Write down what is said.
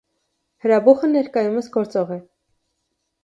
Հրաբուխը ներկայումս գործող է։